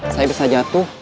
saya bisa jatuh